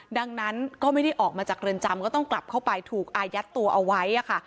ดังนั้นก็ไม่ได้ออกมาจากเรือนจำก็ต้องกลับเข้าไปถูกอายัดตัวเอาไว้ค่ะ